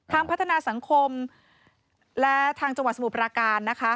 พัฒนาสังคมและทางจังหวัดสมุทรปราการนะคะ